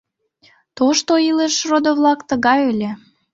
Тошто илыш, родо-влак, тыгай ыле...